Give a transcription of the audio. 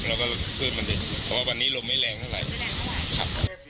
แล้วก็คลื่นมันเลยเพราะว่าวันนี้ลมไม่แรงเท่าไหร่